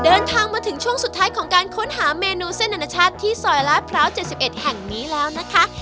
เดินทางมาถึงช่วงสุดท้ายของการค้นหาเมนูเส้นอนาชาติที่ซอยลาดพร้าว๗๑แห่งนี้แล้วนะคะ